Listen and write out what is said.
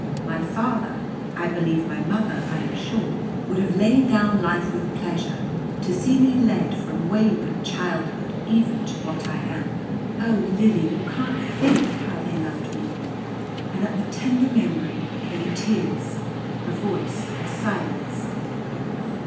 My father, I believe, my mother, I am sure, would have laid down life with pleasure to see me led from wayward childhood even to what I am. Oh, Lily, you can't think how they loved me." And at the tender memory, came tears, the voice of silence.